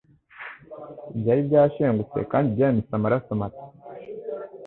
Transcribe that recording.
byari byashengutse kandi byahindutse amaraso masa